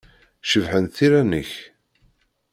Cebḥent tira-nnek.